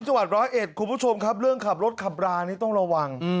จังหวัดร้อยเอ็ดคุณผู้ชมครับเรื่องขับรถขับรานี่ต้องระวัง